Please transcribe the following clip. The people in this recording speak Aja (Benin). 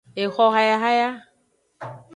Exohayahaya.